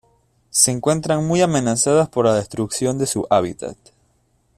Se encuentran muy amenazadas por la destrucción de su hábitat.